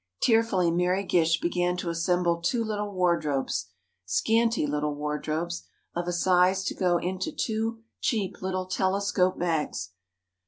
Tearfully Mary Gish began to assemble two little wardrobes—scanty little wardrobes, of a size to go into two cheap little telescope bags.